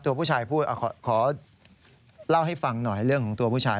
ตัวผู้ชายพูดขอเล่าให้ฟังหน่อยเรื่องของตัวผู้ชาย